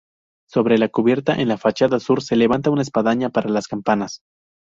Sobre la cubierta, en la fachada sur, se levanta una espadaña para las campanas.